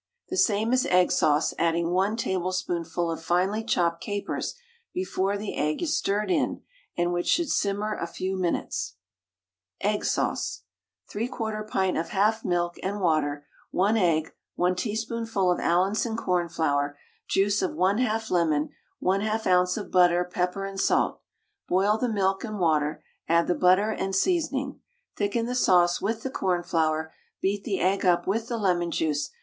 The same as "Egg Sauce," adding 1 tablespoonful of finely chopped capers before the egg is stirred in, and which should simmer a few minutes. EGG SAUCE. 3/4 pint of half milk and water, 1 egg, 1 teaspoonful of Allinson cornflour, juice of 1/2 lemon, 1/2 oz. of butter, pepper and salt. Boil the milk and water, add the butter and seasoning. Thicken the sauce with the cornflour; beat the egg up with the lemon juice.